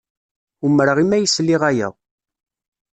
Umreɣ imi ay sliɣ aya.